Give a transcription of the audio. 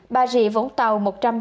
bà rịa vũng tàu một trăm chín mươi bảy